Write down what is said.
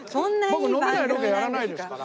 僕飲めないロケやらないですから。